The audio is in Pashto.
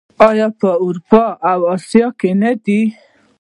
آیا په اروپا او اسیا کې نه دي؟